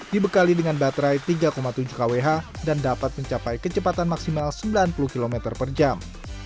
dibekali dengan baterai tiga tujuh kwh dan dapat mencapai kecepatan maksimal sembilan puluh km per jam